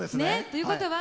ということは。